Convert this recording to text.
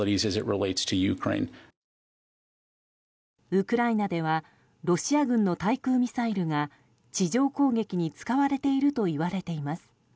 ウクライナではロシア軍の対空ミサイルが地上攻撃に使われているといわれています。